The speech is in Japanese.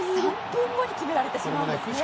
３分後に決められてしまうんですね。